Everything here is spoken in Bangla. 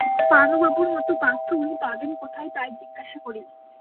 পানুবাবুর মতো পাত্র উনি পাবেন কোথায় তাই জিজ্ঞাসা করি।